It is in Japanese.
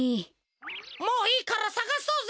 もういいからさがそうぜ！